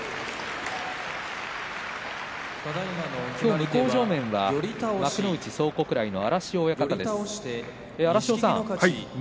向正面は幕内蒼国来の荒汐親方です。